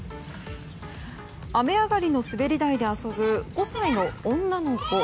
雨上がりの滑り台で遊ぶ５歳の女の子。